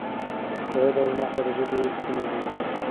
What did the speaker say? قواعد او نحو د ژبې ستنې دي.